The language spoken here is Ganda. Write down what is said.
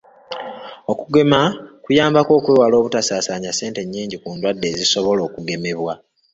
Okugema kuyambako okwewala obutaasaanya ssente nnyingi ku ndwadde ezisobola okugemebwa